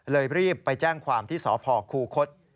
รีบไปแจ้งความที่สพคูคศ